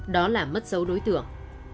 đó là mất dấu đối tượng